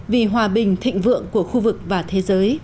vì hòa bình thịnh vượng của khu vực và thế giới